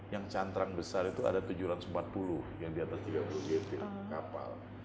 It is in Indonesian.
yang cantrang besar itu ada tujuh ratus empat puluh yang di atas tiga puluh gt kapal